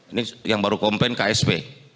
ini yang baru komplain ksp